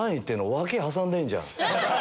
脇挟んでるじゃん」。